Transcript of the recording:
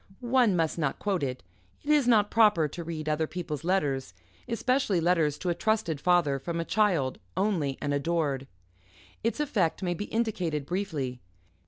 One must not quote it it is not proper to read other people's letters, especially letters to a trusted father, from a child, only and adored. Its effect may be indicated briefly.